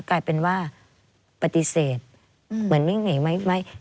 กลายเป็นว่าปฏิเสธเหมือนวิ่งหนีไหม